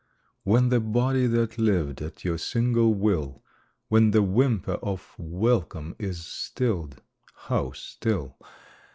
When the body that lived at your single will When the whimper of welcome is stilled (how still!)